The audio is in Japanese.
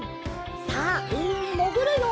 さあうみにもぐるよ！